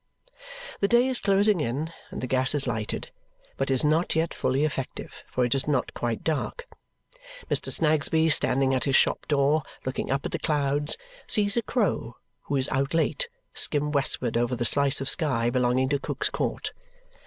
The day is closing in and the gas is lighted, but is not yet fully effective, for it is not quite dark. Mr. Snagsby standing at his shop door looking up at the clouds sees a crow who is out late skim westward over the slice of sky belonging to Cook's Court.